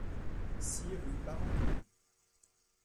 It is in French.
six rue Parandier